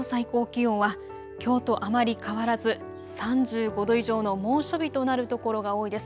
最高気温はきょうとあまり変わらず３５度以上の猛暑日となる所が多いです。